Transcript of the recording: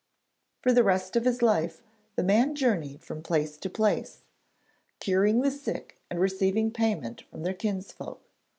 For the rest of his life the man journeyed from place to place, curing the sick and receiving payment from their kinsfolk.